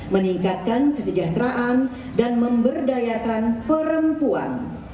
meningkatkan kesejahteraan dan memberdayakan perempuan